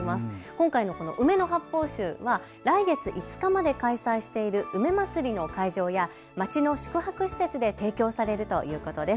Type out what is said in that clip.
今回の梅の発泡酒は来月５日まで開催している梅まつりの会場や町の宿泊施設で提供されるとのことです。